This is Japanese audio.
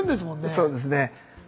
そうですね。